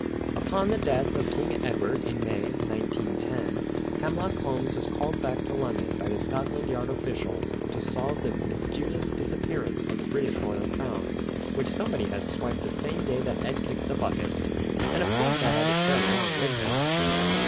Upon the death of King Edward in May, 1910, Hemlock Holmes was called back to London by the Scotland Yard officials to solve the mysterious disappearance of the British royal crown, which somebody had swiped the same day that Ed kicked the bucket; and of course I had to trail along with him!